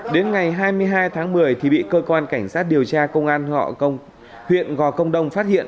đến ngày hai mươi hai tháng một mươi thì bị cơ quan cảnh sát điều tra công an huyện gò công đông phát hiện